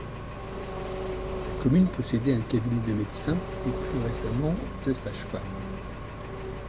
La commune possédait un cabinet de médecin et plus récemment de sage femme.